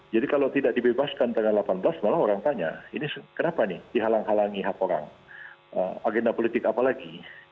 jadi kalau tidak dibebaskan tanggal delapan belas malah orang tanya ini kenapa nih dihalang halangi hak orang agenda politik apa lagi